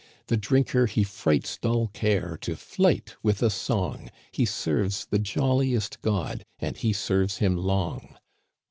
The drinker he frights dull care To flight with a song — He serves the jolliest god, And he serves him long